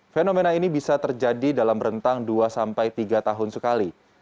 fenomena ini bisa terjadi dalam rentang dua sampai tiga tahun sekali